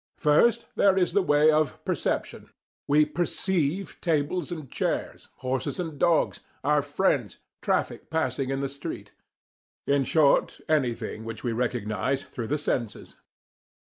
First, there is the way of PERCEPTION. We "perceive" tables and chairs, horses and dogs, our friends, traffic passing in the street in short, anything which we recognize through the senses.